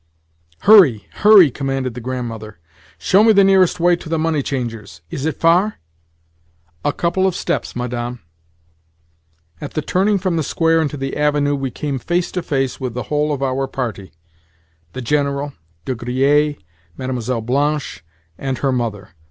"Hurry, hurry!" commanded the Grandmother. "Show me the nearest way to the money changer's. Is it far?" "A couple of steps, Madame." At the turning from the square into the Avenue we came face to face with the whole of our party—the General, De Griers, Mlle. Blanche, and her mother.